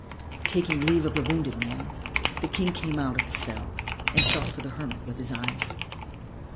Taking leave of the wounded man the King came out of the cell and sought for the hermit with his eyes.